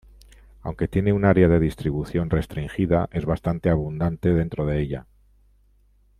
Aunque tiene un área de distribución restringida es bastante abundante dentro de ella.